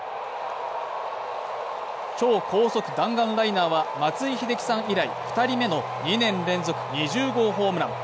超高速弾丸ライナーは松井秀喜さん以来２人目の２年連続２０号ホームラン。